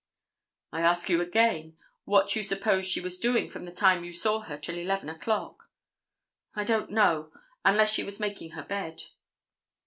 "I ask you again what you suppose she was doing from the time you saw her till 11 o'clock?" "I don't know, unless she was making her bed."